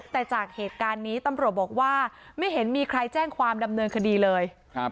แต่จากเหตุการณ์นี้ตำรวจบอกว่าไม่เห็นมีใครแจ้งความดำเนินคดีเลย